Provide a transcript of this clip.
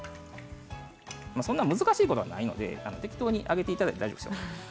そんな難しいことはないので適当に揚げていただいて大丈夫ですよ。